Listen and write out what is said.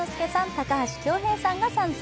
高橋恭平さんが参戦。